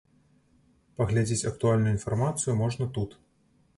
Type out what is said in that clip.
Паглядзець актуальную інфармацыю можна тут.